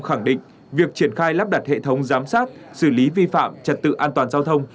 khẳng định việc triển khai lắp đặt hệ thống giám sát xử lý vi phạm trật tự an toàn giao thông